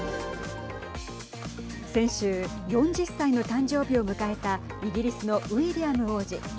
先週、４０歳の誕生日を迎えたイギリスのウィリアム王子。